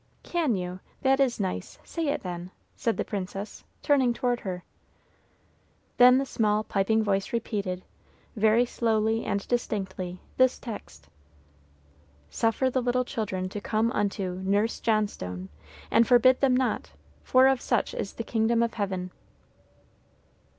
"Can you? That is nice. Say it, then," said the princess, turning toward her. Then the small, piping voice repeated, very slowly and distinctly, this text: "Suffer the little children to come unto Nurse Johnstone and forbid them not, for of such is the kingdom of Heaven!"